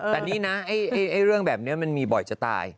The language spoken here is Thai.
แต่นี่นะเรื่องแบบนี้มันมีบ่อยจะตาย